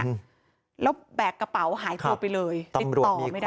อืมแล้วแบกกระเป๋าหายตัวไปเลยติดต่อไม่ได้